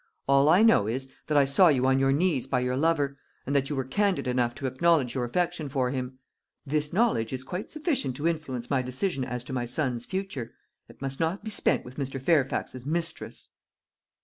All I know is, that I saw you on your knees by your lover, and that you were candid enough to acknowledge your affection for him. This knowledge is quite sufficient to influence my decision as to my son's future it must not be spent with Mr. Fairfax's mistress."